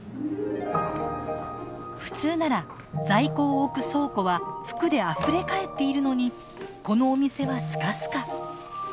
普通なら在庫を置く倉庫は服であふれかえっているのにこのお店はスカスカ。